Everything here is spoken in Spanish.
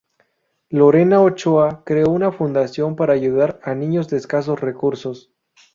Lorena Ochoa creó una fundación para ayudar a niños de escasos recursos.